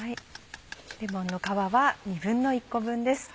レモンの皮は２分の１個分です。